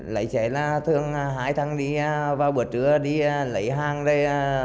lấy cháy là thường hai tháng đi vào buổi trưa đi lấy hàng đây